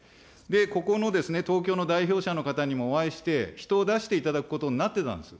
ここの東京の代表者の方にもお会いして、人を出していただくことになってたんです。